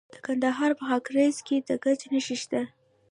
د کندهار په خاکریز کې د ګچ نښې شته.